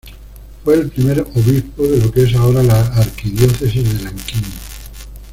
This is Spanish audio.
Fue el primer obispo de lo que es ahora la Arquidiócesis de Nankín.